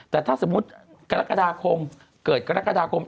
แต่ถ้าสมมุติกรกฎาคมเกิดกรกฎาคม